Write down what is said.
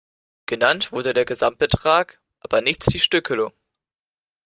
Genannt wurde der Gesamtbetrag, aber nicht die Stückelung.